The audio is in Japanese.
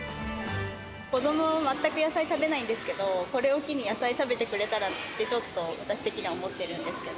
子どもは全く野菜食べないんですけど、これを機に野菜食べてくれたらって、ちょっと、私的には思ってるんですけど。